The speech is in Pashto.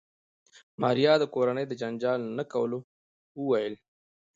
ماريا د کورنۍ د جنجال نه کولو وويل.